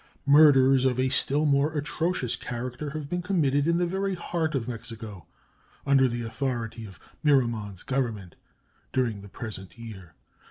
Murders of a still more atrocious character have been committed in the very heart of Mexico, under the authority of Miramon's Government, during the present year.